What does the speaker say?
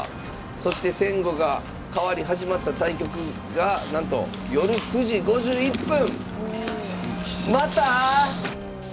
そして先後が変わり始まった対局がなんと夜９時５１分。